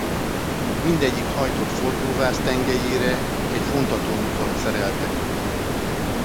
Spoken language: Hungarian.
Mindegyik hajtott forgóváz tengelyére egy vontatómotort szereltek.